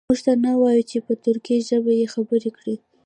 موږ ته نه وایي چې په ترکي ژبه یې خبرې کړي.